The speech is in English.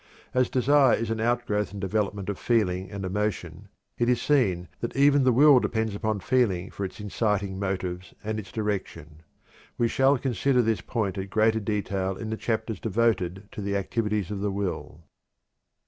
As desire is an outgrowth and development of feeling and emotion, it is seen that even the will depends upon feeling for its inciting motives and its direction. We shall consider this point at greater detail in the chapters devoted to the activities of the will.